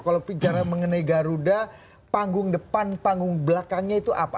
kalau bicara mengenai garuda panggung depan panggung belakangnya itu apa